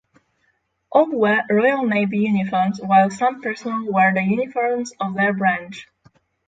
All wear Royal Navy uniforms while some personnel wear the uniforms of their branch.